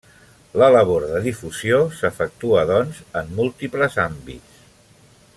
La labor de difusió s'efectua, doncs, en múltiples àmbits.